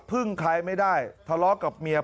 พึ่งใครไม่ได้ทะเลาะกับเมีย